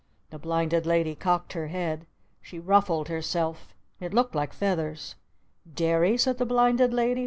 The Blinded Lady cocked her head. She ruffled herself. It looked like feathers. "Derry?" said the Blinded Lady.